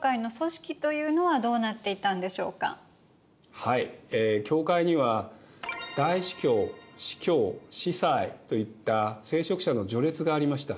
はい教会には大司教司教司祭といった聖職者の序列がありました。